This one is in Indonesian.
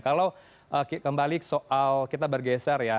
kalau kembali soal kita bergeser ya